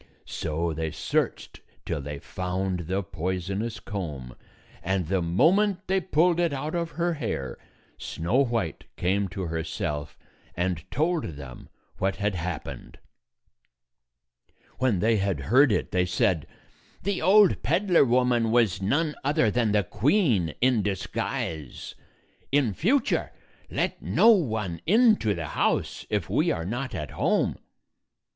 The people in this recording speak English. So they searched till they found the poisonous comb, and the moment they pulled it out of her hair, Snow White came to herself and told them what had happened. When they had heard it, they said, "The old peddler woman was none other than the queen in disguise. In future let no one into the house, if we are not at home."